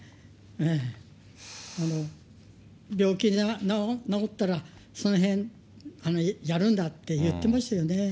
病気治ったら、そのへんやるんだって言ってましたよね。